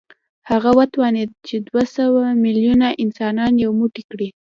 هغه وتوانېد چې دوه سوه ميليونه انسانان يو موټی کړي.